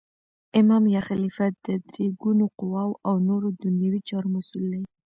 امام یا خلیفه د درو ګونو قوواو او نور دنیوي چارو مسول دی.